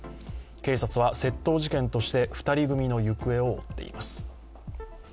警察は窃盗事件として２人組の行方を追っています。